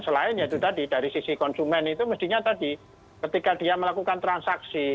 selain itu tadi dari sisi konsumen itu mestinya tadi ketika dia melakukan transaksi